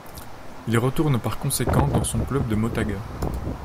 Il retourne par conséquent dans son club de Motagua.